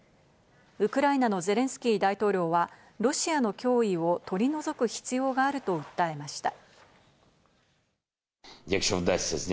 ウクライナのゼレンスキー大統領はロシアの脅威を取り除く必要があると訴えました。